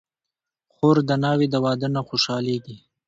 خور د ناوې د واده نه خوشحالېږي.